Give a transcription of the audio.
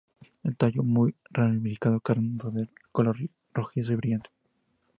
El tallo muy ramificado, carnoso, de color rojizo y brillante.